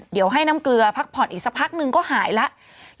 เดี๋ยวให้น้ำเกลือพักผ่อนอีกสักพักนึงก็หายแล้ว